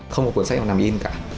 không có cuốn sách nào nằm in cả